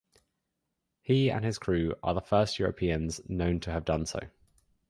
He and his crew are the first Europeans known to have done so.